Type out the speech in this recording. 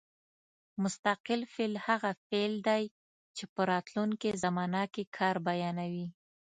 مستقبل فعل هغه فعل دی چې په راتلونکې زمانه کې کار بیانوي.